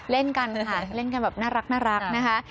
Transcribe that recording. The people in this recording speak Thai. เล่นกันค่ะเล่นกันแบบน่ารักนะคะ